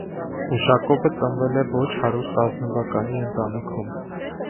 Ուշակովը ծնվել է ոչ հարուստ ազնվականի ընտանիքում։